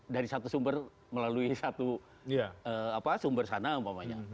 dari satu sumber melalui satu sumber sana umpamanya